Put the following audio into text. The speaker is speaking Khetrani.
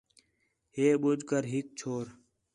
ہے ٻُجھ کر ہِک چھور